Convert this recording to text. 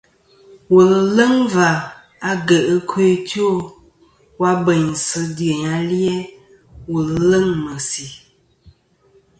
Wùl ɨ̀ leŋ và agyèʼ ɨkœ ɨ two wa bèynsɨ dyèyn ali-a wù leŋ ɨ̀ mèsì.